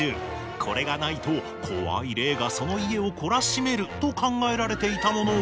これがないと怖い霊がその家を懲らしめると考えられていたものは。